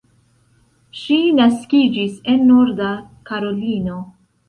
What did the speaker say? Ŝi naskiĝis en Norda Karolino.